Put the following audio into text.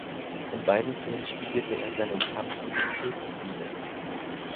In beiden Filmen spiegelte er seinen Kampf mit dem Krebs wider.